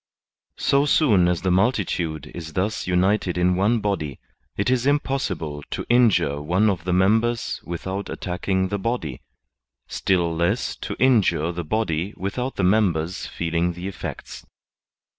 So soon as the multitude is thus united in one body, it is impossible to injure one of the members without attacking the body, still less to injure the body without the members feeling the effects.